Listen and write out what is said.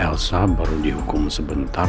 elsa baru dihukum sebentar